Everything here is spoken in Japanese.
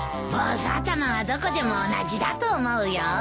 坊主頭はどこでも同じだと思うよ。